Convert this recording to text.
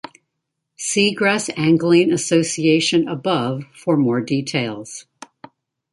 See Gress Angling Association above for more details.